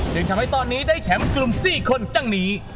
จึงทำให้ตอนนี้ได้แข็มกลุ่มสี่คนกันหนี